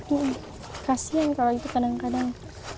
iya kasian kalau gitu kadang kadang